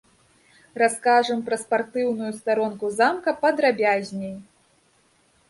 Раскажам пра спартыўную старонку замка падрабязней.